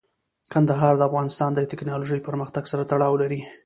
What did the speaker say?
کندهار د افغانستان د تکنالوژۍ پرمختګ سره تړاو لري.